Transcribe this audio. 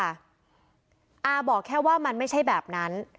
อาบอกแค่ว่ามันไม่ใช่แบบนั้น